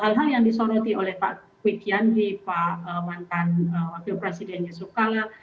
hal hal yang disoroti oleh pak kwi kian di pak mantan wakil presiden yesuk kalla